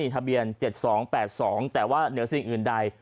ทะเบียน๗๒๘๒แต่ว่าเหนือสิ่งอื่นใด